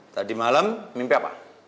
tadi malam mimpi apa